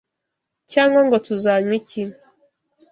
cyangwa ngo Tuzanywa iki?